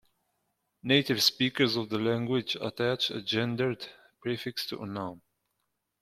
Native speakers of the language attach a gendered prefix to a noun.